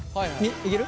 いける？